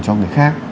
cho người khác